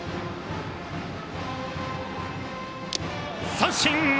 三振！